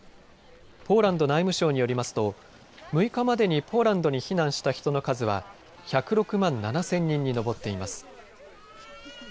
ポーランド内務省によりますと６日までにポーランドに避難した人の数は１０６万７０００人に上っています。